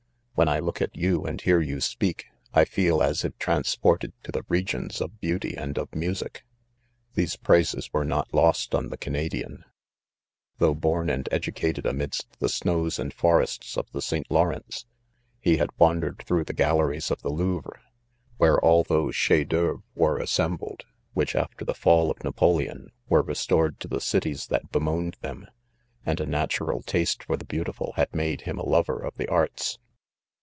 *• When I look at you and hear yon speak, I feel as if transported to the regions of beauty and of music*" These praises were not lost on the Canadi an 5 though born and educated amidst the snows and forests of the St. Lawrence, he had wandered through the galleries of the Louvre, where all those chefs cfceuvre were assembled, which, after the fall of Napoleon, were res tored to the cities that bemoaned them ; and a natural taste for the beautiful had made him a lover of the arts.